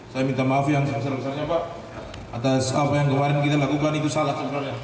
saya minta maaf yang sebesar besarnya pak atas apa yang kemarin kita lakukan itu salah sebenarnya